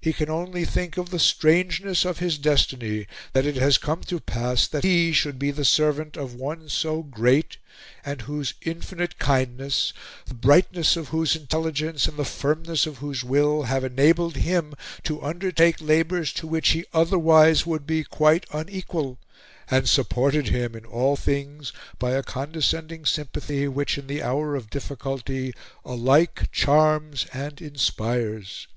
He can only think of the strangeness of his destiny that it has come to pass that he should be the servant of one so great, and whose infinite kindness, the brightness of whose intelligence and the firmness of whose will, have enabled him to undertake labours to which he otherwise would be quite unequal, and supported him in all things by a condescending sympathy, which in the hour of difficulty alike charms and inspires.